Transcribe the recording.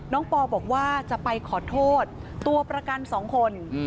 น้องป่าบอกว่าจะไปขอโทษตัวประกัน๒คน